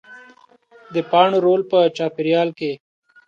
د پاڼو رول په چاپېریال کې